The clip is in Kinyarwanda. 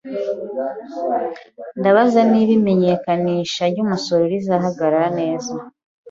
Ndabaza niba imenyekanisha ry'umusoro rizahagarara neza.